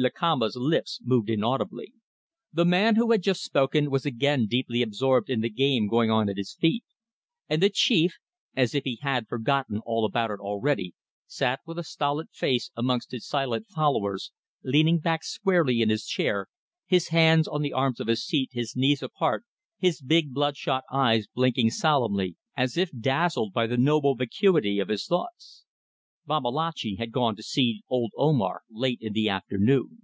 Lakamba's lips moved inaudibly. The man who had just spoken was again deeply absorbed in the game going on at his feet; and the chief as if he had forgotten all about it already sat with a stolid face amongst his silent followers, leaning back squarely in his chair, his hands on the arms of his seat, his knees apart, his big blood shot eyes blinking solemnly, as if dazzled by the noble vacuity of his thoughts. Babalatchi had gone to see old Omar late in the afternoon.